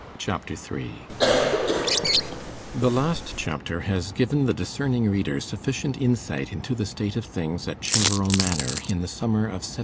Chapter 3 The last chapter has given the discerning reader sufficient insight into the state of things at Cheverel Manor in the summer of 1788.